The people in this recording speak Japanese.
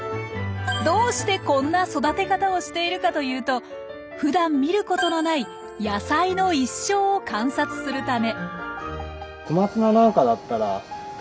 どうしてこんな育て方をしているかというとふだん見ることのない野菜の一生を観察するため。